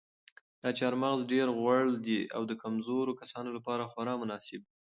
دا چهارمغز ډېر غوړ دي او د کمزورو کسانو لپاره خورا مناسب دي.